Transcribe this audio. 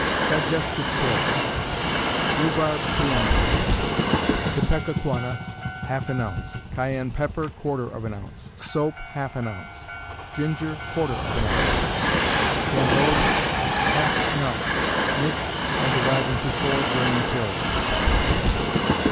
Digestive Pills. Rhubarb, two ounces; ipecacuanha, half an ounce; cayenne pepper, quarter of an ounce; soap, half an ounce; ginger, quarter of an ounce; gamboge, half an ounce. Mix, and divide into four grain pills.